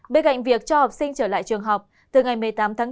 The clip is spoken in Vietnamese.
bê gạnh việc cho học sinh trở lại trường học từ ngày một mươi tám tháng bốn